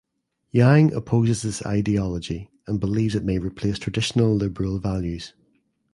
Yang opposes this ideology and believes it may replace traditional liberal values.